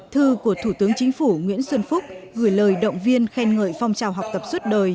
thư của thủ tướng chính phủ nguyễn xuân phúc gửi lời động viên khen ngợi phong trào học tập suốt đời